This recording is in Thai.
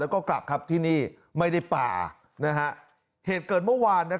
แล้วก็กลับครับที่นี่ไม่ได้ป่าเหตุเกิดเมื่อวาน